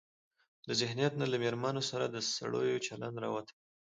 له ذهنيت نه له مېرمنو سره د سړيو چلن راوتى.